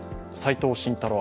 齋藤慎太郎